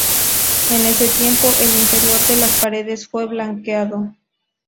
En ese tiempo, el interior de las paredes fue blanqueado.